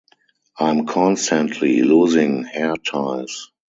I'm constantly losing hair ties.